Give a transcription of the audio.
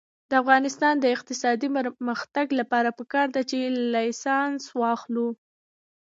د افغانستان د اقتصادي پرمختګ لپاره پکار ده چې لایسنس واخلو.